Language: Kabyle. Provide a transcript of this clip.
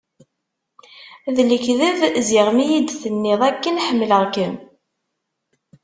D lekdeb ziɣ mi yi-d-tenniḍ akken ḥemmleɣ-kem?